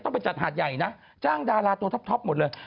ต้องจิตกาต้องไปจัดหาดใหญ่นะ